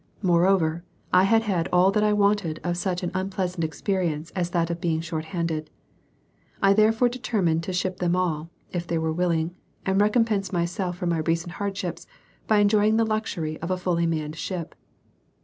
Moreover, I had had all that I wanted of such an unpleasant experience as that of being short handed. I therefore determined to ship them all, if they were willing, and recompense myself for my recent hardships by enjoying the luxury of a fully manned ship.